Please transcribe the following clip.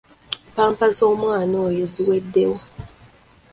Ppampa z'omwana oyo ziweddewo.